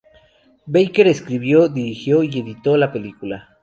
Baker escribió, dirigió y editó la película.